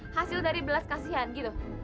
hasil dari belas kasihan gitu